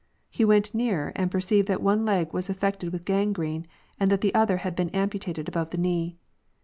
He went nearer and per ceived that one leg was affected with gangrene, and that the other had been amputated above the knee.